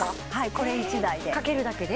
これ１台で掛けるだけで？